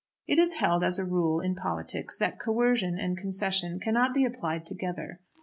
It is held, as a rule, in politics that coercion and concession cannot be applied together.